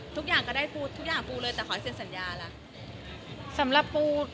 ทุกอย่างก็ได้ปูทุกอย่างปูเลยแต่ขอให้เซ็นสัญญาล่ะสำหรับปู